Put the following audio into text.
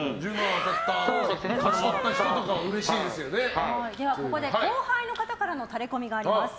当たった勝ち取った人とかはここで後輩の方からのタレコミがあります。